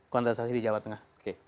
kontestasi di jawa tengah